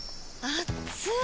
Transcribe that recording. あっつい！